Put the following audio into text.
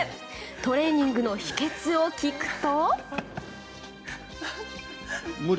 トレーニングの秘訣を聞くと。